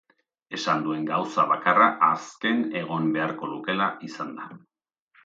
Esan duen gauza bakarra asken egon beharko lukeela izan da.